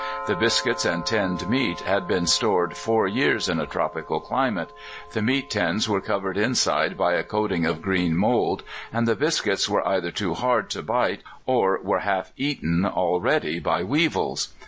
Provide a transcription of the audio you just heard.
The biscuits and tinned meat had been stored four years in a tropical climate; the meat tins were covered inside by a coating of green mould, and the biscuits were either too hard to bite or were half eaten already by weevils.